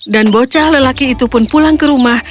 dan bocah lelaki itu pun pulang ke rumah